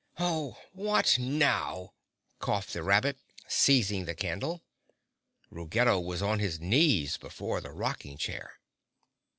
"What now?" coughed the rabbit, seizing the candle. Ruggedo was on his knees before the rocking chair.